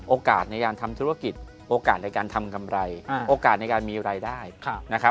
โอกาสในการทำธุรกิจโอกาสในการทำกำไรโอกาสในการมีรายได้นะครับ